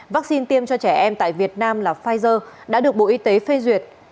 vaccine tiêm cho trẻ em tại việt nam là pfizer đã được bộ y tế phê duyệt